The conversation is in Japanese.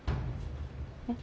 えっ。